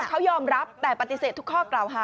เขายอมรับแต่ปฏิเสธทุกข้อกล่าวหา